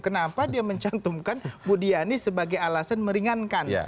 kenapa dia mencantumkan bu niani sebagai alasan meringankan